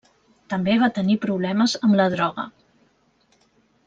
També va tenir problemes amb la droga.